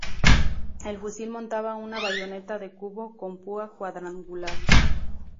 El fusil montaba una bayoneta de cubo con púa cuadrangular.